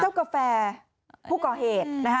เจ้ากาแฟผู้ก่อเหตุ